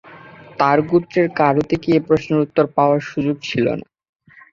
তার গোত্রের কারো থেকে এই প্রশ্নের উত্তর পাওয়ার সুযোগ ছিল না।